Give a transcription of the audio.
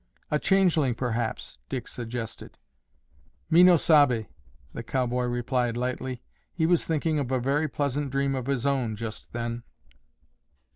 "A changeling, perhaps," Dick suggested. "Me no sabe," the cowboy replied lightly. He was thinking of a very pleasant dream of his own just then.